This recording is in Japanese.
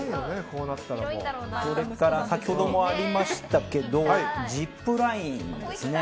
それから先ほどもありましたけどジップラインですね。